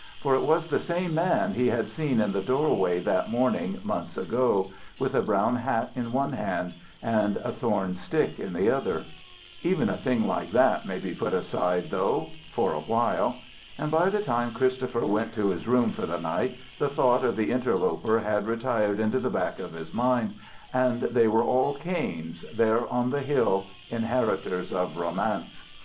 For it was the same man he had seen in the doorway that morning months ago, with a brown hat in one hand and a thorn stick in the other. Even a thing like that may be half put aside, though for a while. And by the time Christopher went to his room for the night the thought of the interloper had retired into the back of his mind, and they were all Kains there on the Hill, inheritors of romance.